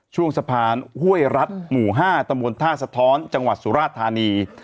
ช่วงสะพานห้วยรัฐหมู่๕ตำบลท่าสะท้อนจังหวัดสุราธานี